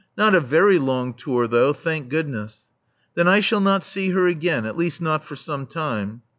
'* Not a very long tour though, thank goodness." Then I shall not see her again — at least not for some time.